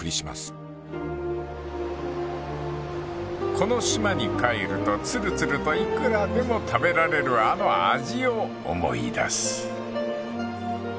［この島に帰るとつるつるといくらでも食べられるあの味を思い出す］